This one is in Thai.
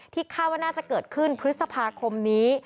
คาดว่าน่าจะเกิดขึ้นพฤษภาคมนี้